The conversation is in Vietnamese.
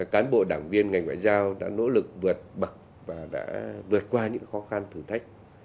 cán bộ đảng viên ngành ngoại giao đã nỗ lực vượt bậc và đã vượt qua những khó khăn thử thách